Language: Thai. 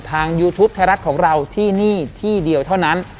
ยูทูปไทยรัฐของเราที่นี่ที่เดียวเท่านั้น